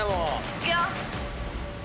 いくよ。